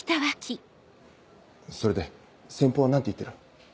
それで先方は何て言ってる？